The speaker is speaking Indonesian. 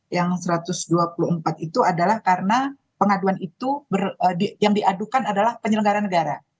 yang satu ratus dua puluh empat itu adalah karena pengaduan itu yang diadukan adalah penyelenggara negara